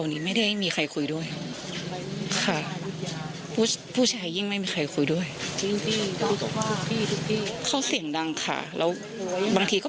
ค่ะก็ไม่ไม่ได้มีใครคุยด้วยมีใครคุยสิ่งอยู่แล้วค่ะนอกจาก